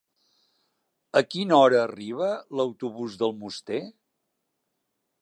A quina hora arriba l'autobús d'Almoster?